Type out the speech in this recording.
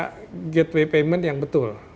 ada gateway payment yang betul